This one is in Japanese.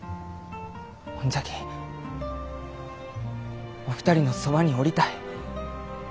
ほんじゃきお二人のそばにおりたい。